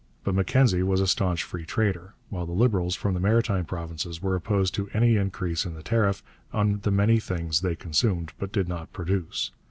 But Mackenzie was a staunch free trader, while the Liberals from the maritime provinces were opposed to any increase in the tariff on the many things they consumed but did not produce.